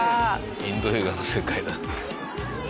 インド映画の世界だ。